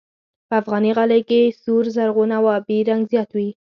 په افغاني غالۍ کې سور، زرغون او آبي رنګ زیات وي.